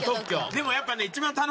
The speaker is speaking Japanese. でもやっぱね。